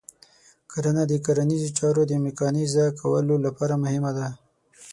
کرنه د کرنیزو چارو د میکانیزه کولو لپاره مهمه ده.